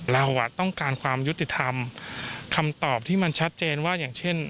เราต้องการความยุติธรรมคำตอบที่มันชัดเจนว่าอย่างเช่น